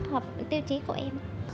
hợp tiêu chí của em